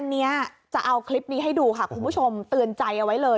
อันนี้จะเอาคลิปนี้ให้ดูค่ะคุณผู้ชมเตือนใจเอาไว้เลย